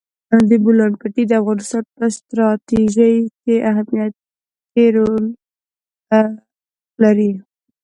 د بولان پټي د افغانستان په ستراتیژیک اهمیت کې رول لري.